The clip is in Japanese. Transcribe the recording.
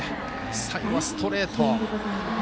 最後、ストレート。